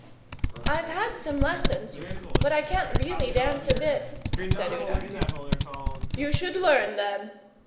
'I've had some lessons, but I can't really dance a bit,' said Una. 'You should learn, then.